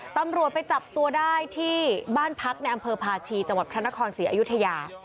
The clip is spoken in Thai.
ตำรวจไปจับตัวได้ที่บ้านพักในอำเภอพาชีจังหวัดพระนครศรีอยุธยา